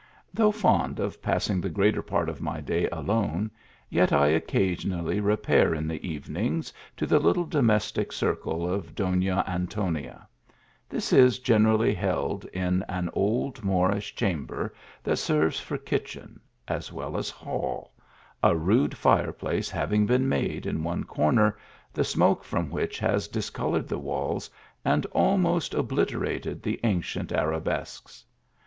Though fond of passing the greater part of my day alone, yet I occasionally repair in the evenings to the little domestic circle of Dona Antonia. This is generally held in an old Moorish chamber, that serves for kitchen as well as hall, a rude fire place having been made in one corner, the smoke from which has discoloured the walls and almost oblite rated the ancient arabesques.